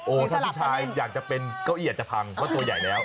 ถ้าผู้ชายอยากจะเป็นเก้าอี้อาจจะพังเพราะตัวใหญ่แล้ว